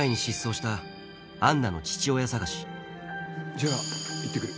じゃあ行って来る。